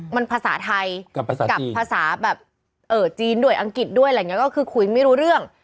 มันภาษาไทยกับภาษาแบบจีนด้วยอังกฤษด้วยอะไรอย่างนี้ก็คือคุยไม่รู้เรื่อง